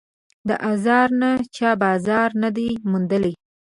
د آزار نه چا بازار نه دی موندلی